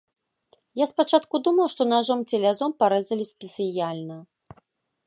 Я спачатку думаў, што нажом ці лязом парэзалі спецыяльна.